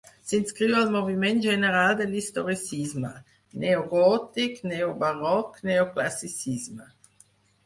S'inscriu al moviment general de l'historicisme: neogòtic, neobarroc, neoclassicisme.